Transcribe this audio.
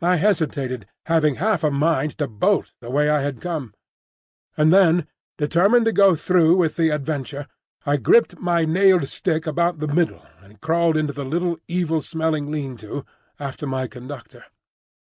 I hesitated, having half a mind to bolt the way I had come; and then, determined to go through with the adventure, I gripped my nailed stick about the middle and crawled into the little evil smelling lean to after my conductor.